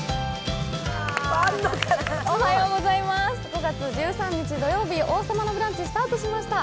５月１３日土曜日、「王様のブランチ」スタートしました。